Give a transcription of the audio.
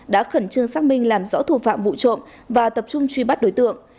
đã khẩn trương xác minh làm rõ thủ phạm vụ trộm và tập trung truy bắt đối tượng